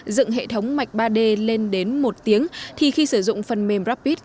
dựng hệ thống mạch ba d lên đến một tiếng thì khi sử dụng phần mềm rapid